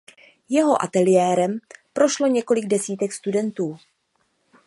Jeho ateliérem prošlo několik desítek studentů.